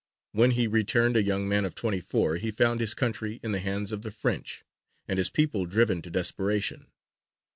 When he returned, a young man of twenty four, he found his country in the hands of the French, and his people driven to desperation.